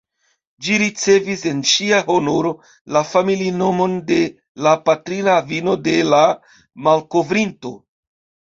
Ĝi ricevis, en ŝia honoro, la familinomon de la patrina avino de la malkovrinto.